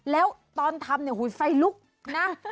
แล้วตอนทำเนี่ยไฟลุกนะ